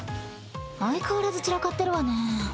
相変わらず散らかってるわね。